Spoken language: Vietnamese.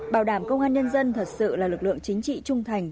bảo đảm công an nhân dân thật sự là lực lượng chính trị trung thành